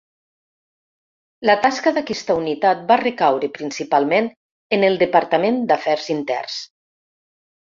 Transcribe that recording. La tasca d’aquesta unitat va recaure principalment en el departament d’afers interns.